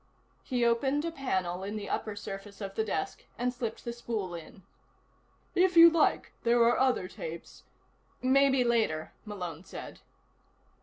He opened a panel in the upper surface of the desk, and slipped the spool in. "If you like, there are other tapes " "Maybe later," Malone said.